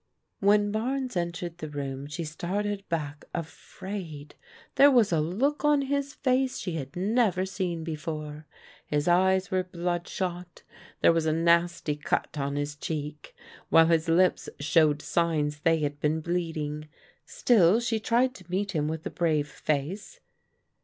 When Barnes entered the room she started back afraid. There was a look on his face she had never seen before. His eyes were bloodshot, there was a nasty cut on his cheek, while his lips showed signs that they had . been bleeding. Still she tried to meet him with a brave face.